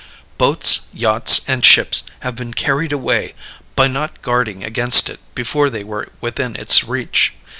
"Boats, yachts, and ships have been carried away by not guarding against it before they were within its reach.